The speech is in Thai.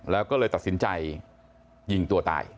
แล้วก็เลยตัดสินใจยิงตัวตาย